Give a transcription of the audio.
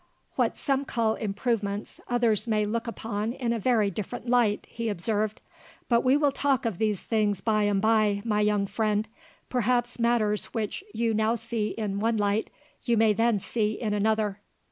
"What some call improvements others may look upon in a very different light," he observed; "but we will talk of these things by and by, my young friend; perhaps matters which you now see in one light, you may then see in another."